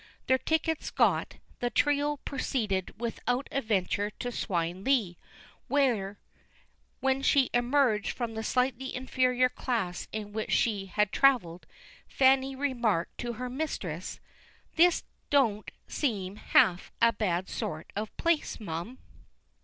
Their tickets got, the trio proceeded without adventure to Swineleigh, where, when she emerged from the slightly inferior class in which she had travelled, Fanny remarked to her mistress: "This don't seem half a bad sort of place, mum."